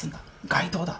「街頭だ！